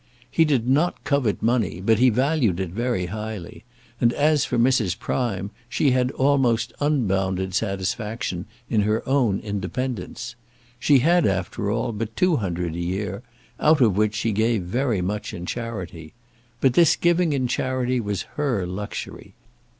He did not covet money, but he valued it very highly; and as for Mrs. Prime, she had an almost unbounded satisfaction in her own independence. She had, after all, but two hundred a year, out of which she gave very much in charity. But this giving in charity was her luxury.